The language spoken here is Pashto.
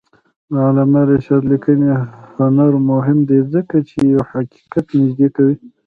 د علامه رشاد لیکنی هنر مهم دی ځکه چې حقیقت نږدې کوي.